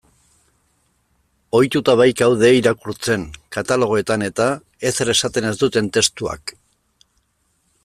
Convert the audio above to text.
Ohituta baikaude irakurtzen, katalogoetan-eta, ezer esaten ez duten testuak.